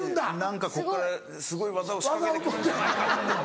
何かこっからすごい技を仕掛けてくるんじゃないかって。